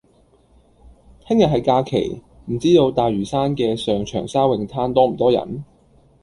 聽日係假期，唔知道大嶼山嘅上長沙泳灘多唔多人？